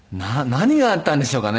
何があったんでしょうかね。